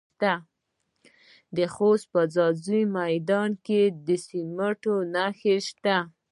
د خوست په ځاځي میدان کې د سمنټو مواد شته.